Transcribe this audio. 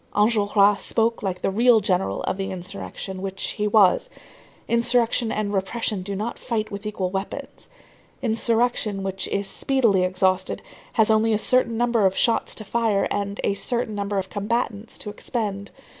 Enjolras spoke like the real general of insurrection which he was. Insurrection and repression do not fight with equal weapons. Insurrection, which is speedily exhausted, has only a certain number of shots to fire and a certain number of combatants to expend.